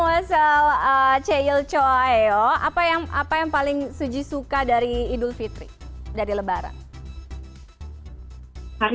wasal ceil cowok yo apa yang apa yang paling suji suka dari idul fitri dari lebaran hari